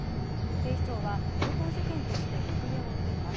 警視庁は強盗事件として行方を追っています。